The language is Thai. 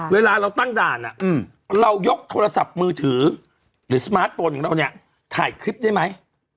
เวลาเราตั้งด่านเรายกโทรศัพท์มือถือหรือสมาร์ทโฟนของเราเนี่ยถ่ายคลิปได้ไหม